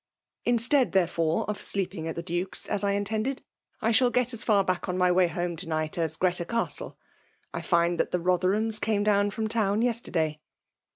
'' Instead, therefore> of sleeping at the Duke's^ as I intended, I shall get as far back on my way home to night as Ghreta Castla I find that the Rotherhams came down from town yesterday."